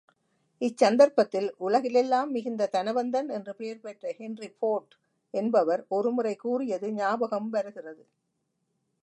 இச் சந்தர்ப்பத்தில், உலகிலெல்லாம் மிகுந்த தனவந்தன் என்று பெயர்பெற்ற ஹென்றி போர்ட் என்பவர் ஒருமுறை கூறியது ஞாபகம் வருகிறது.